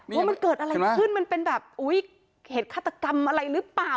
ว่ามันเกิดอะไรขึ้นมันเป็นแบบอุ๊ยเหตุฆาตกรรมอะไรหรือเปล่า